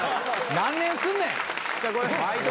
何年すんねんこれ。